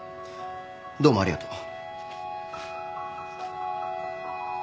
どうもありがとう。